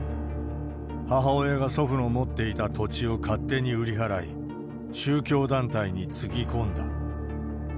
母親が祖父の持っていた土地を勝手に売り払い、宗教団体につぎ込んだ。